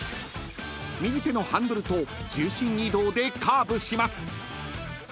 ［右手のハンドルと重心移動でカーブします］